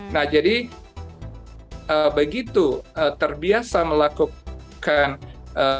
nah jadi begitu terbiasa melakukan pengobatan pemberian angan mengandung substan yang tersebut